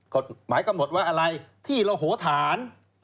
กฎหมายกำหนดไว้อะไรที่ระโหฐาน